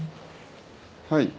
はい。